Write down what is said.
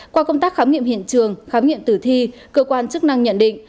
qua công tác khám nghiệm hiện trường khám nghiệm tử thi cơ quan chức năng nhận định